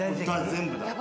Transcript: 全部だ。